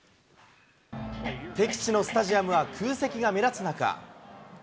敵地のスタジアムは空席が目立つ中。